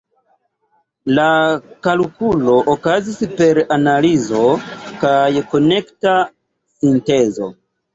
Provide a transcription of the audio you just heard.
La kalkulo okazis per analizo kaj konekta sintezo.